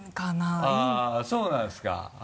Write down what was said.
あぁそうなんですか。